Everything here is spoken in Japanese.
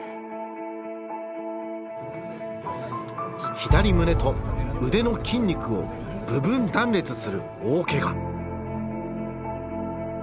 左胸と腕の筋肉を部分断裂する大けが。